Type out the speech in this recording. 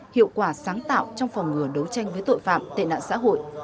hiệu quả sáng tạo trong phòng ngừa đấu tranh với tội phạm tệ nạn xã hội